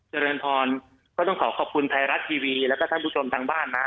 เจริญพรก็ต้องขอขอบคุณไทยรัฐทีวีแล้วก็ท่านผู้ชมทางบ้านนะ